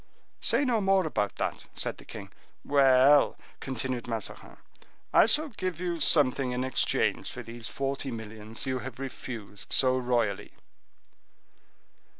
"Say no more about that," said the king. "Well!" continued Mazarin, "I shall give you something in exchange for these forty millions you have refused so royally."